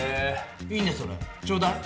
いいねそれちょうだい。